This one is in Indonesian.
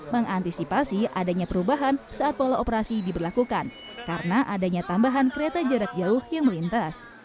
mengantisipasi adanya perubahan saat pola operasi diberlakukan karena adanya tambahan kereta jarak jauh yang melintas